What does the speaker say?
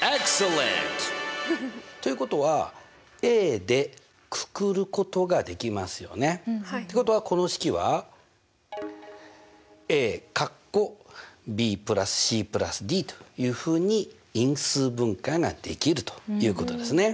Ｅｘｃｅｌｌｅｎｔ！ということはでくくることができますよね。ってことはこの式はというふうに因数分解ができるということですね。